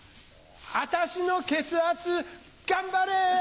私の血圧頑張れ！